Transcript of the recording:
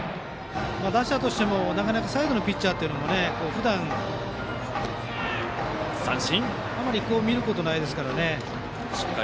打者としてもなかなかサイドのピッチャーはふだんあまり見ることがないですからね。